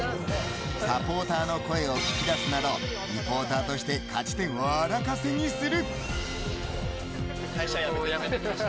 サポーターの声を引き出すなどリポーターとして勝ち点を荒稼ぎする。